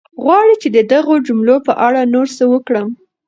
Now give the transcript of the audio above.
غواړې چې د دغو جملو په اړه نور څه وکړم؟